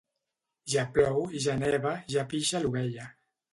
Ja plou, ja neva, ja pixa l'ovella.